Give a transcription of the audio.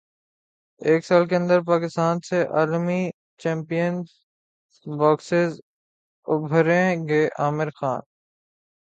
ایک سال کے اندر پاکستان سے عالمی چیمپئن باکسرز ابھریں گے عامر خان